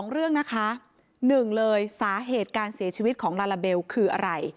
เรื่องนะคะ๑เลยสาเหตุการเสียชีวิตของลาลาเบลคืออะไร